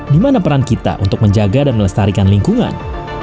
di mana peran kita untuk menjaga dan melestarikan lingkungan